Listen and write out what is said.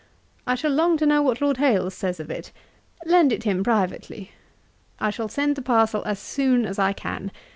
I shall long to know what Lord Hailes says of it. Lend it him privately. I shall send the parcel as soon as I can.